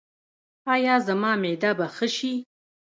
ایا زما معده به ښه شي؟